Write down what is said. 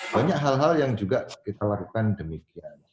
banyak hal hal yang juga kita lakukan demikian